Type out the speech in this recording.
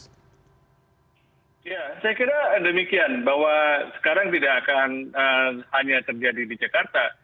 ya saya kira demikian bahwa sekarang tidak akan hanya terjadi di jakarta